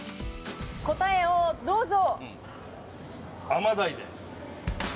答えをどうぞ。